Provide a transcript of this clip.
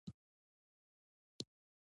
کتابچه یو خاموش ښوونکی دی